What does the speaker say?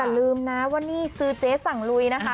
ลืมนะว่านี่ซื้อเจ๊สั่งลุยนะคะ